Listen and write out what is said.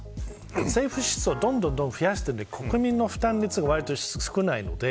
政府支出をどんどん増やして国民の負担率は意外と少ないのです。